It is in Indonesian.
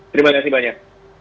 terima kasih banyak